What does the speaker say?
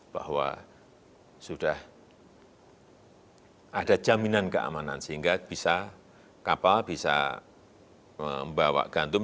bahwa sudah ada jaminan keamanan sehingga bisa kapal bisa membawa gantum